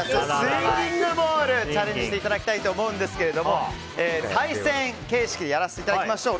スインギングボールにチャレンジしていただきたいと思うんですが対戦形式でやらせていただきましょう。